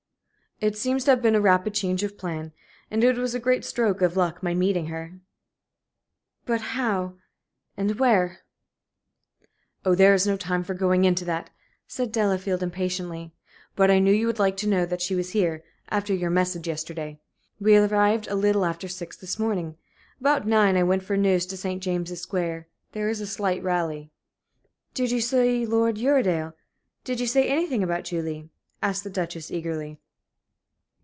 "It seems to have been a rapid change of plan. And it was a great stroke of luck my meeting her." "But how and where?" "Oh, there is no time for going into that," said Delafield, impatiently. "But I knew you would like to know that she was here after your message yesterday. We arrived a little after six this morning. About nine I went for news to St. James's Square. There is a slight rally." "Did you see Lord Uredale? Did you say anything about Julie?" asked the Duchess, eagerly.